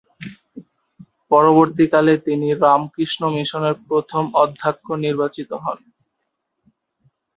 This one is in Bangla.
পরবর্তীকালে তিনি রামকৃষ্ণ মিশনের প্রথম অধ্যক্ষ নির্বাচিত হন।